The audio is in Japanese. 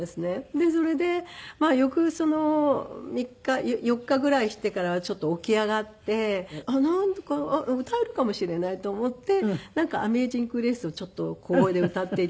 でそれで翌３日４日ぐらいしてからちょっと起き上がってなんとか歌えるかもしれないと思って『ＡｍａｚｉｎｇＧｒａｃｅ』をちょっと小声で歌っていたり。